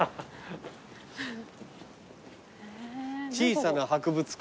「小さな博物館」